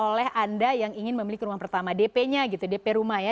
oleh anda yang ingin memiliki rumah pertama dp nya gitu dp rumah ya